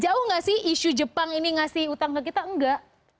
jauh nggak sih isu jepang ini ngasih utang ke kita enggak